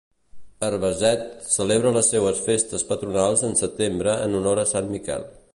Herbeset celebra les seues festes patronals en setembre en honor a Sant Miquel.